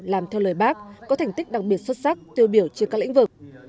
làm theo lời bác có thành tích đặc biệt xuất sắc tiêu biểu trên các lĩnh vực